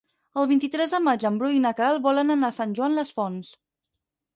El vint-i-tres de maig en Bru i na Queralt volen anar a Sant Joan les Fonts.